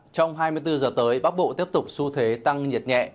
trong hai mươi bốn h tới bắc bộ tiếp tục su thế tăng nhiệt nhẹ